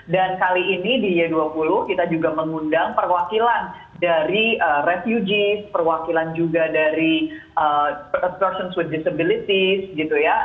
dan kali ini di g dua puluh kita juga mengundang perwakilan dari refugees perwakilan juga dari persons with disabilities gitu ya